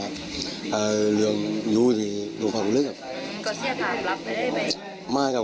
คือคนนองนี่จะมีใส้แบบนั้น